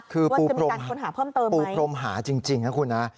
คือปูพรมหาจริงนะคุณ